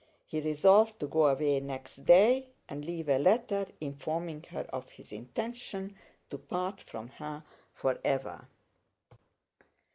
He resolved to go away next day and leave a letter informing her of his intention to part from her forever.